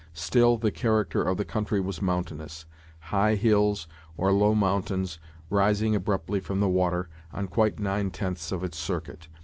Still the character of the country was mountainous; high hills, or low mountains, rising abruptly from the water, on quite nine tenths of its circuit.